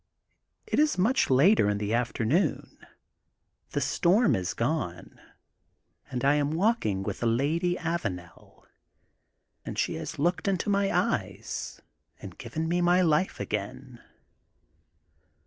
It is much later in the afternoon. The storm is gone, and I am walking with the lady Avanel, and she has looked into my eyes and given me my life again.